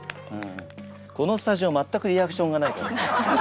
このスタジオ全くリアクションがない。